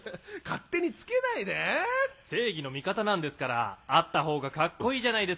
勝手につけないで」「正義の味方なんですからあった方がかっこいいじゃないですか。